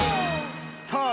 さあ